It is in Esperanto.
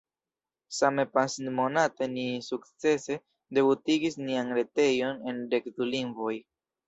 Same pasintmonate ni sukcese debutigis nian retejon en dek du lingvoj.